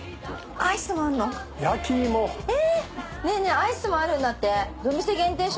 アイスもあるんだって。